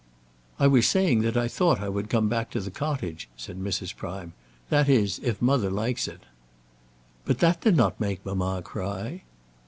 "I was saying that I thought I would come back to the cottage," said Mrs. Prime; "that is, if mother likes it." "But that did not make mamma cry."